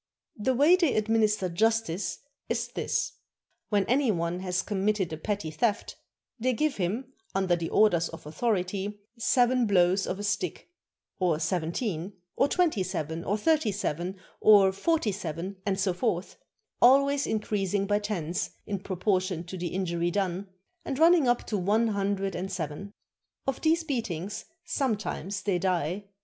The way they administer justice is this: When any one has committed a petty theft, they give him, under the orders of authority, seven blows of a stick, or seven teen, or twenty seven, or thirty seven, or forty seven, and so forth, always increasing by tens in proportion to the injury done, and running up to one hundred and seven. Of these beatings sometimes they die.